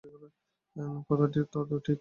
কথা তো ঠিক।